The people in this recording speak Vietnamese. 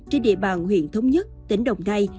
trên địa bàn huyện thống nhất tỉnh đồng ngay